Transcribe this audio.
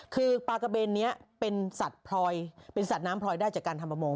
คือปลากระเบนนี้เป็นสัตว์พลอยเป็นสัตว์น้ำพลอยได้จากการทำประมง